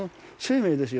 命ですよ。